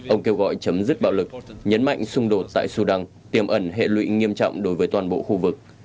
ông kêu gọi chấm dứt bạo lực nhấn mạnh xung đột tại sudan tiềm ẩn hệ lụy nghiêm trọng đối với toàn bộ khu vực